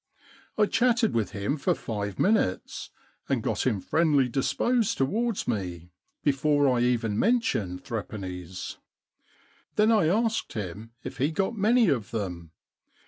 I chatted with him for five minutes, and got him friendly disposed towards me, before I even mentioned threepennies. Then I asked him if he got many of them.